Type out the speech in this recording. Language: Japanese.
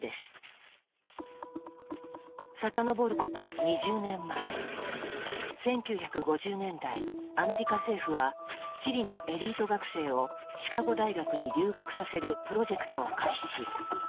遡ること２０年前１９５０年代アメリカ政府はチリのエリート学生をシカゴ大学に留学させるプロジェクトを開始。